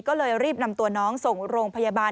ก็เลยรีบนำตัวน้องส่งโรงพยาบาล